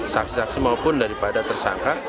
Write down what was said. saksi saksi maupun daripada tersangka